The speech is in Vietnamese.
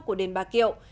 của đền bà kiệu